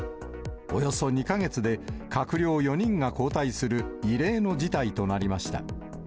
およそ２か月で、閣僚４人が交代する異例の事態となりました。